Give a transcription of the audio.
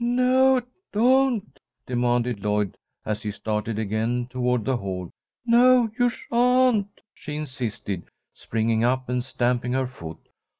"No, don't!" demanded Lloyd, as he started again toward the hall. "No, you sha'n't!" she insisted, springing up and stamping her foot.